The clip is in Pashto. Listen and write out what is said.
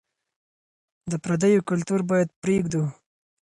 د پرديو کلتور بايد پرېږدو.